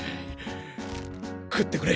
食ってくれ。